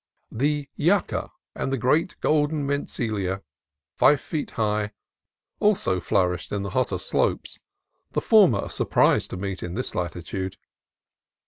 The yucca, and the great golden mentzelia, five feet high, also flourished on the hotter slopes, the former a surprise to meet in this latitude.